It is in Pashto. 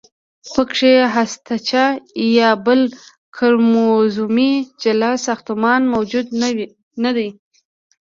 پکې هستچه یا بل کروموزومي جلا ساختمان موجود نه دی.